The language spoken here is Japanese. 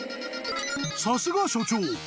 ［さすが所長］